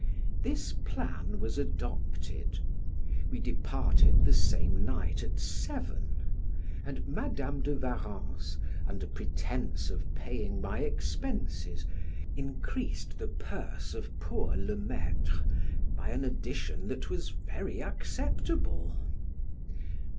This plan was adopted; we departed the same night at seven, and Madam de Warrens, under pretense of paying my expenses, increased the purse of poor Le Maitre by an addition that was very acceptable.